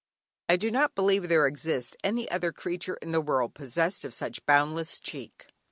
I do not believe there exists any other creature in the world possessed of such boundless cheek.